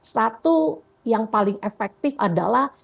satu yang paling efektif adalah